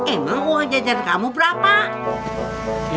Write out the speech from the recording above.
emang uang jajan kamu berapa